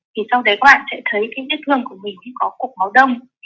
thì sau đấy các bạn sẽ thấy cái nhất thương của mình có cục máu đông